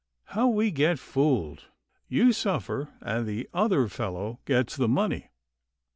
How we get fooled. You suffer, and the other fellow gets the money."